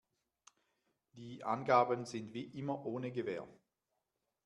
Die Angaben sind wie immer ohne Gewähr.